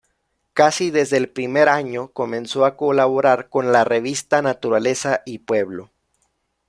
Casi desde el primer año comenzó a colaborar con la revista "Naturaleza y Pueblo".